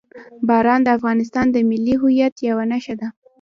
باران د افغانستان د ملي هویت یوه نښه ده.